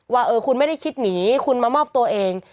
ว่าคุณไม่ได้คิดหนีคุณมามอบตัวเอง